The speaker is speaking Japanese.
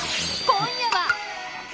今夜は！